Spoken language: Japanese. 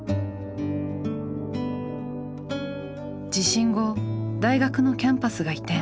地震後大学のキャンパスが移転。